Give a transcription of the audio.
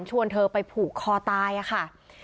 ชวนเธอไปผูกคอตายค่ะ